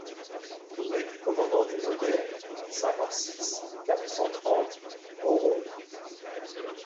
Rue du Commandant du Noday, cinquante-six, quatre cent trente Mauron